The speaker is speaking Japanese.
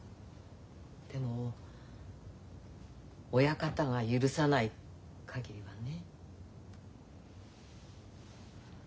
でも親方が許さない限りはね。